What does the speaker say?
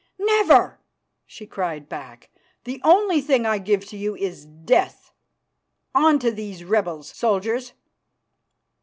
"Never!" she cried back. "The only thing I give to you is death. On to these rebels, soldiers!"